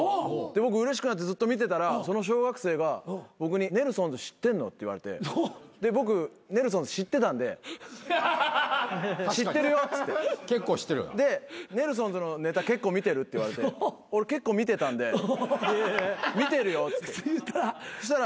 で僕うれしくなってずっと見てたらその小学生が僕に「ネルソンズ知ってんの？」って言われてで僕ネルソンズ知ってたんで「知ってるよ」っつってで「ネルソンズのネタ結構見てる？」って言われて俺結構見てたんで「見てるよ」っつって。言うたら？